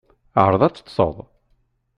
Ԑreḍ ad teṭṭseḍ.